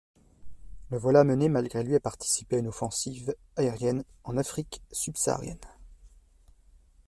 Le voilà amené malgré lui à participer à une offensive aérienne en Afrique subsaharienne.